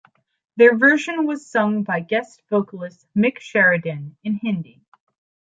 Their version was sung by guest vocalist Mick Sheridan, in Hindi.